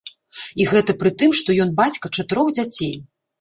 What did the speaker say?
І гэта пры тым, што ён бацька чатырох дзяцей.